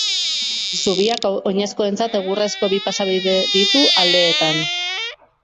Zubiak oinezkoentzat egurrezko bi pasabide ditu aldeetan.